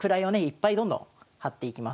いっぱいどんどん張っていきます。